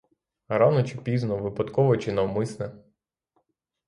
Рано чи пізно, випадково чи навмисне.